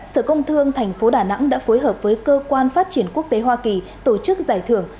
sở công thương tp đà nẵng đã phối hợp với cơ quan phát triển quốc tế hoa kỳ tổ chức giải thưởng